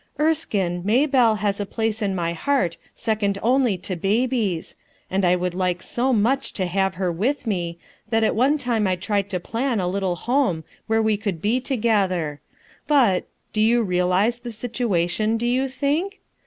"Erskine, Maybelle has a place in my heart second only to Baby's, and I Would like so much to have her with me, that at one time I tried to plan a little home where we could be together. But — do you realize the situation, do you think?